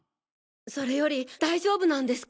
それより大丈夫なんですか？